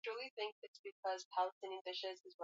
Barabara hii ni ndefu